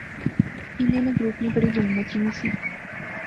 انیں نے گروپ نی بڑی دھوم مچی نی سی